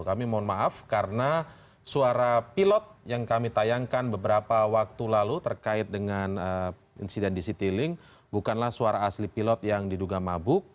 kami mohon maaf karena suara pilot yang kami tayangkan beberapa waktu lalu terkait dengan insiden di citylink bukanlah suara asli pilot yang diduga mabuk